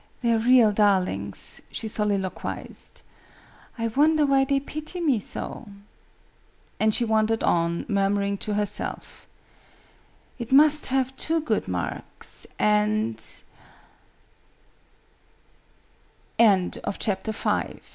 "They're real darlings!" she soliloquised. "I wonder why they pity me so!" And she wandered on, murmuring to herself "It must have two good marks, and " KNOT VI. HER RADIANCY.